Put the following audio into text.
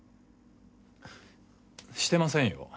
してませんよ。